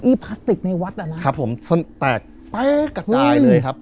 ไอ่ก้อยปลาสติกในวัดอ่ะนะครับผมแตกแปลกอกลายเลยครับ